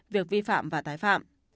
việc vi phạm và tái phạm